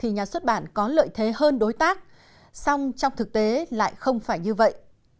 nhà xuất bản có lợi thế hơn đối tác song trong thực tế lại không phải như vậy